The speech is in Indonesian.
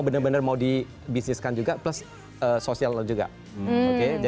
bener bener mau di bisniskan juga plus sosial juga oke jadi